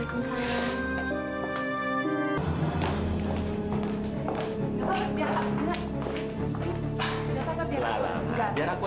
gak usah gak papa ini biar aku yang bawain